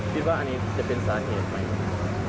คิดว่าอันนี้จะเป็นสาเหตุไหม